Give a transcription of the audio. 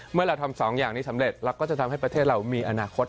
เมื่อเราทำสองอย่างนี้สำเร็จเราก็จะทำให้ประเทศเรามีอนาคต